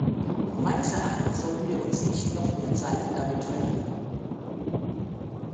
Meines Erachtens sollten wir uns nicht noch mehr Zeit damit verlieren.